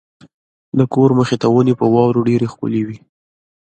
د کور مخې ته ونې په واورو ډېرې ښکلې وې.